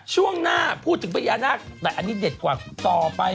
ช่วงหน้าพูดถึงพญานาคแต่อันนี้เด็ดกว่าต่อไป